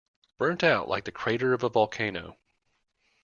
Burnt out like the crater of a volcano.